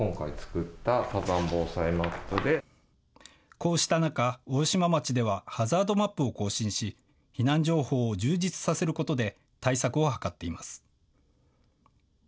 こうした中、大島町ではハザードマップを更新し避難情報を充実させることで対策を図っています。